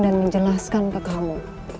dan menjelaskan ke kamu